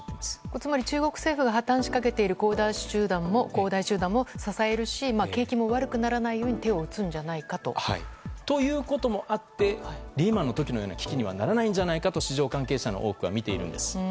つまり中国政府が破綻しかけている恒大集団を支えるし景気も悪くならないように手を打つんじゃないかと。ということもあってリーマンの時のような危機にはならないんじゃないかと市場関係者の多くはみています。